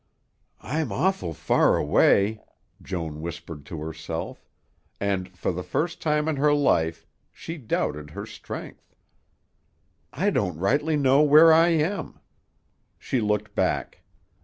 "I'm awful far away," Joan whispered to herself, and, for the first time in her life, she doubted her strength. "I don't rightly know where I am." She looked back.